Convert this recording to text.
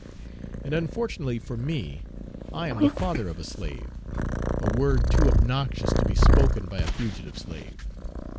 And unfortunately for me, I am the father of a slave, a word too obnoxious to be spoken by a fugitive slave.